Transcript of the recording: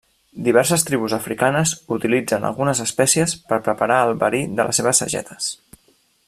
Diverses tribus africanes utilitzen algunes espècies per preparar el verí de les seves sagetes.